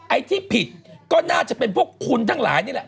ไอ้ที่ผิดก็น่าจะเป็นพวกคุณทั้งหลายนี่แหละ